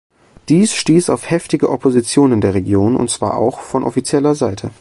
Dies stieß auf heftige Opposition in der Region, und zwar auch von offizieller Seite.